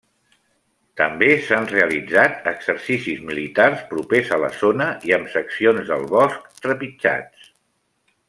També s'han realitzat exercicis militars propers a la zona i amb seccions del bosc trepitjats.